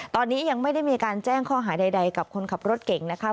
ตอนนี้ยังไม่ได้มีการแจ้งข้อหาใดกับคนขับรถเก่งนะคะ